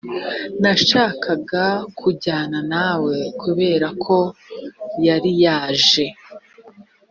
nashakaga kujyana na we kubera ko yari yaje